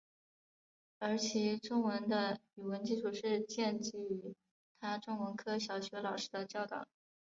而其中文的语文基础是建基于他中文科小学老师的教导。